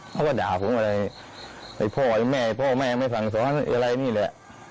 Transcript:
เขาก็ด่าผมอะไรไอ้พ่อแม่พ่อแม่ไม่สั่งสอนอะไรนี่แหละ